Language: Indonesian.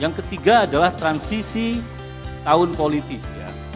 yang ketiga adalah transisi tahun politik